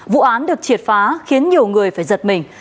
vụ án được triệt phá khiến nhiều người phải giật mình